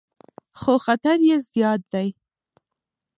خو خطر یې زیات دی.